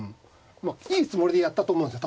まあいいつもりでやったと思うんですよ